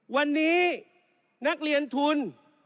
วันนี้นักเรียนทุน